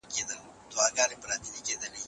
ولې ډلې په ټولنه کې طبقه بندي کېږي؟